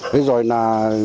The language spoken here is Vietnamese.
thế rồi là